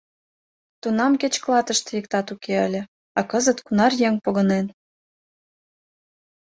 Тунам кеч клатыште иктат уке ыле, а кызыт кунар еҥ погынен...